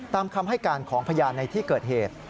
ตามคำให้การของพยานในที่เกิดเหตุ